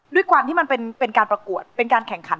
ด้วยความที่มันเป็นการประกวดเป็นการแข่งขัน